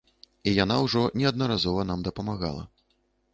І яна ўжо неаднаразова нам дапамагала.